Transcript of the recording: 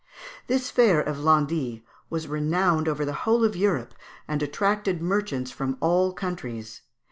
This fair of Landit was renowned over the whole of Europe, and attracted merchants from all countries.